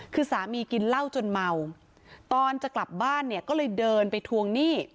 คือสามีกินเหล้าจนเมาตอนจะกลับบ้านเนี่ยก็เลยเดินไปทวงหนี้